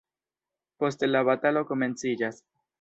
Poste la batalo komenciĝas.